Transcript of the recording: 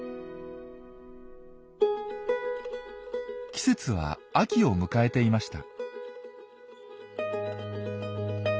季節は秋を迎えていました。